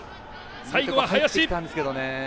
最後は林。